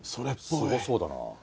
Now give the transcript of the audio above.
すごそうだな。